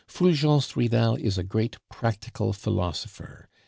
Fulgence Ridal is a great practical philosopher.